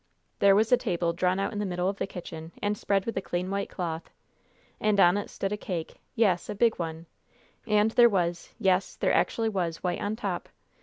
There was the table drawn out in the middle of the kitchen and spread with a clean white cloth. And on it stood a cake, yes, a big one, and there was yes, there actually was white on top!